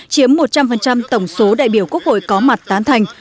chiếm một trăm linh tổng số đại biểu quốc hội có mặt tán thành